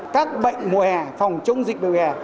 các bệnh mùa hè phòng chống dịch mùa hè